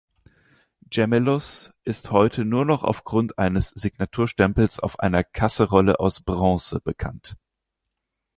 Gemellus ist heute nur noch aufgrund eines Signaturstempels auf einer Kasserolle aus Bronze bekannt.